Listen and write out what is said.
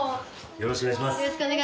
よろしくお願いします。